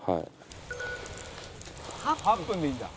「８分でいいんだ」